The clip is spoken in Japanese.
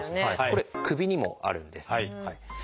これ首にもあるんです。